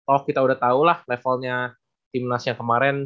oh kita udah tahu lah levelnya timnas yang kemarin